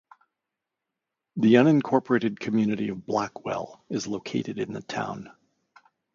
The unincorporated community of Blackwell is located in the town.